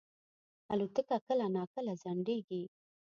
الوتکه کله ناکله ځنډېږي.